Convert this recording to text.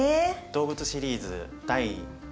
動物シリーズ第２問。